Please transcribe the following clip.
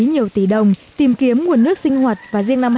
nhiều tỷ đồng tìm kiếm nguồn nước sinh hoạt và riêng năm hai nghìn một mươi sáu